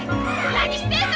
何してんの！？